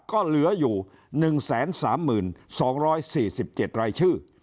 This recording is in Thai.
ก็เหลืออยู่๑๓๒๔๗รายชื่อ